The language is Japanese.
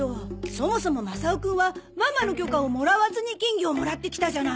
そもそもマサオくんはママの許可をもらわずに金魚をもらってきたじゃない。